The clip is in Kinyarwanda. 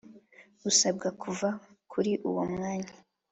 Asabwa kuva kuri uwo mwanya